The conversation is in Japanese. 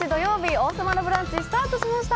「王様のブランチ」スタートしました。